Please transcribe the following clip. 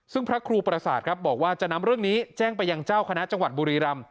ซึ่งพระครูประสาทครับบอกว่าจะนำเรื่องนี้แจ้งไปยังเจ้าคณะจังหวัดบุรีรำ